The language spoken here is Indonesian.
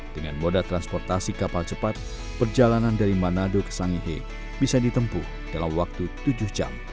dengan moda transportasi kapal cepat perjalanan dari manado ke sangihe bisa ditempuh dalam waktu tujuh jam